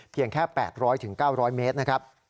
เพียงแค่๘๐๐๙๐๐เมตรนะครับ